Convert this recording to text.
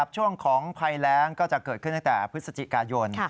ช่วงของภัยแรงก็จะเกิดขึ้นตั้งแต่พฤศจิกายน